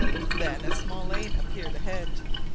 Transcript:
Then a small lane appeared ahead.